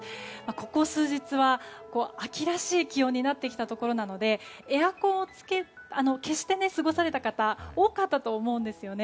ここ数日は秋らしい気温になってきたところなのでエアコンを消して過ごされた方多かったと思うんですよね。